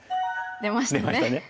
出ましたね。